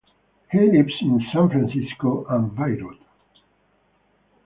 He lives in San Francisco and Beirut.